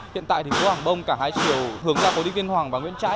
hiện tại thì phố hàng bông cả hai chiều hướng ra phố điên hoàng và nguyễn trãi